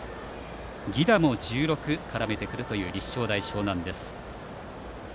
犠打も１６絡めてくるという立正大淞南です。